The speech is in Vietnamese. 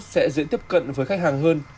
và sẽ dễ tiếp cận với khách hàng hơn